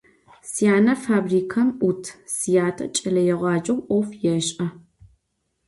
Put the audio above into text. Syane fabrikam 'ut, syate ç'eleêğaceu 'of yêş'e.